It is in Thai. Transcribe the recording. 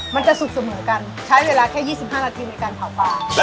มันจะสุกเสมอกันใช้เวลาแค่๒๕นาทีในการเผาปลา